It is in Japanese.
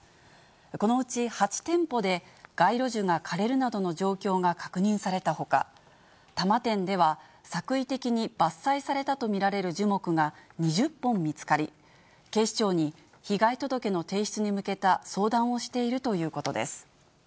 このうち８店舗で、街路樹が枯れるなどの状況が確認されたほか、多摩店では作為的に伐採されたと見られる樹木が２０本見つかり、警視庁に被害届の提出に向けた相談をしているということです。